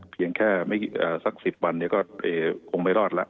เพียงแค่สักสิบวันเนี่ยก็คงไม่รอดละ